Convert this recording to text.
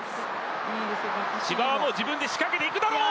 千葉はもう自分で仕掛けていくだろう。